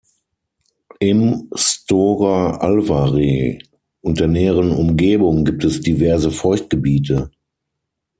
Im Stora Alvaret und der näheren Umgebung gibt es diverse Feuchtgebiete.